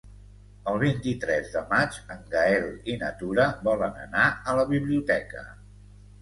El vint-i-tres de maig en Gaël i na Tura volen anar a la biblioteca.